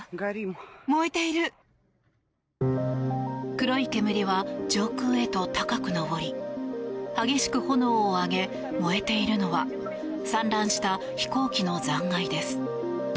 黒い煙は上空へと高く上り激しく炎を上げ燃えているのは散乱した飛行機の残骸です。